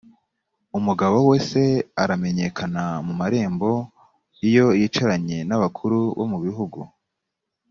umugabo we c amenyekana mu marembo iyo yicaranye n abakuru bo mu gihugu